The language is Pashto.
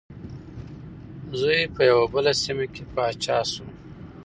زوی په یوه بله سیمه کې پاچا شو.